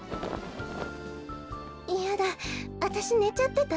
いやだあたしねちゃってた？